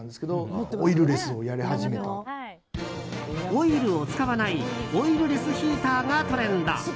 オイルを使わないオイルレスヒーターがトレンド。